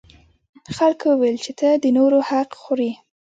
خلکو وویل چې ته د نورو حق خوري.